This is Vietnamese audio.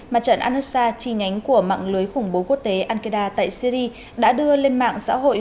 mặt trận al nusra chi nhánh của mạng lưới khủng bố quốc tế al qaeda tại syri đã đưa lên mạng xã hội